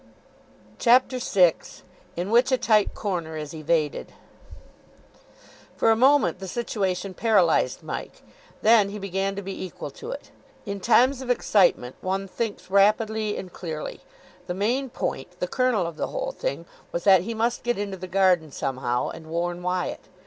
CHAPTER VI IN WHICH A TIGHT CORNER IS EVADED For a moment the situation paralysed Mike. Then he began to be equal to it. In times of excitement one thinks rapidly and clearly. The main point, the kernel of the whole thing, was that he must get into the garden somehow, and warn Wyatt.